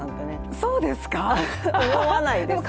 そうですか？